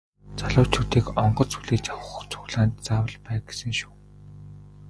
Залуучуудыг онгоц хүлээж авах цуглаанд заавал бай гэсэн шүү.